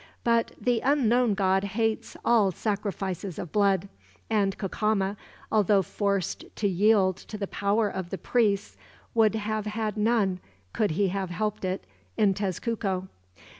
But the Unknown God hates all sacrifices of blood; and Cacama, although forced to yield to the power of the priests, would have had none, could he have helped it, in Tezcuco."